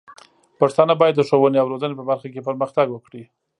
پښتانه بايد د ښوونې او روزنې په برخه کې پرمختګ وکړي.